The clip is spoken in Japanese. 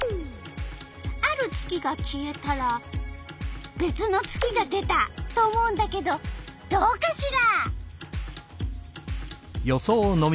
ある月が消えたらべつの月が出た！と思うんだけどどうかしら？